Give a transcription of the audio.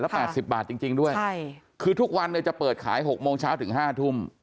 แปดสิบบาทจริงจริงด้วยใช่คือทุกวันเนี่ยจะเปิดขายหกโมงเช้าถึงห้าทุ่ม